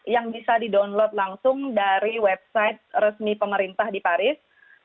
yang bisa di download langsung dari website resmi pemerintah di paris